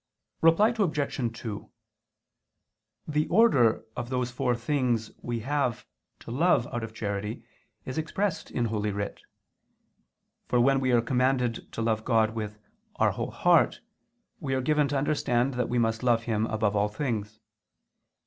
Reply Obj. 2: The order of those four things we have to love out of charity is expressed in Holy Writ. For when we are commanded to love God with our "whole heart," we are given to understand that we must love Him above all things.